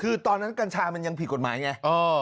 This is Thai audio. คือตอนนั้นกัญชามันยังผิดกฎหมายไง